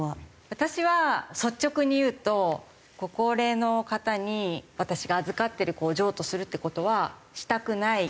私は率直に言うとご高齢の方に私が預かってる子を譲渡するって事はしたくない。